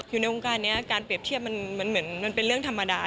อยู่ในวงการนี้การเปรียบเทียบมันเหมือนมันเป็นเรื่องธรรมดา